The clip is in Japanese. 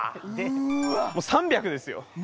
もう３００ですよ。